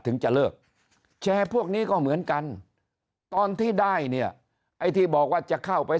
ถึงจะเลิกแชร์พวกนี้ก็เหมือนกันตอนที่ได้เนี่ยไอ้ที่บอกว่าจะเข้าไป